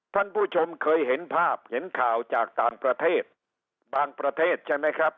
ท่านผู้ชมเคยเห็นภาพเห็นข่าวจากต่างประเทศบางประเทศใช่ไหมครับ